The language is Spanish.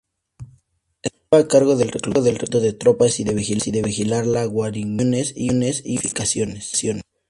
Estaba a cargo del reclutamiento de tropas y de vigilar las guarniciones y fortificaciones.